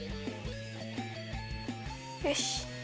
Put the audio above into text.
よし！